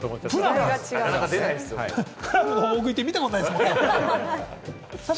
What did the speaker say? プラムの大食いって見たことないですね。